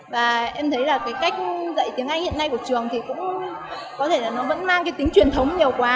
và em thấy là cái cách dạy tiếng anh hiện nay của trường thì cũng có thể là nó vẫn mang cái tính truyền thống nhiều quá